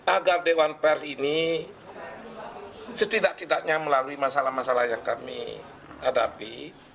agar dewan pers ini setidak tidaknya melalui masalah masalah yang kami hadapi